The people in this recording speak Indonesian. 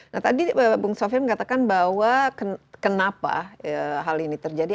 nah tadi bung sofian mengatakan bahwa kenapa hal ini terjadi